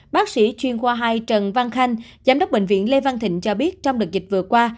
bác sĩ chuyên khoa hai trần văn khanh giám đốc bệnh viện lê văn thịnh cho biết trong đợt dịch vừa qua